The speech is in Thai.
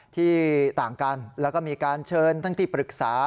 ที่ต่างกันแล้วก็มีการเชิญทั้งที่ปรึกษา